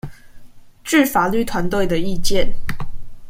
據法律團隊的意見